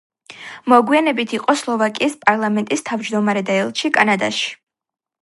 მოგვიანებით იყო სლოვაკიის პარლამენტის თავმჯდომარე და ელჩი კანადაში.